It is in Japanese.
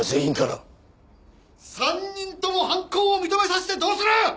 ３人とも犯行を認めさせてどうする！？